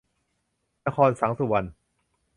นคร สังสุวรรณ